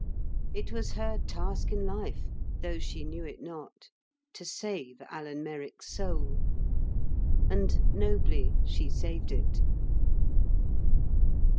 It was her task in life, though she knew it not, to save Alan Merrick's soul. And nobly she saved it.